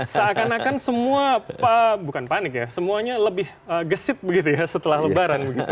seakan akan semua bukan panik ya semuanya lebih gesit begitu ya setelah lebaran begitu